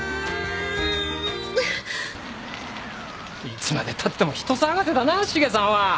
いつまでたっても人騒がせだなあ